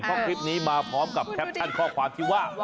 เพราะคลิปนี้มาพร้อมกับแคปชั่นข้อความที่ว่า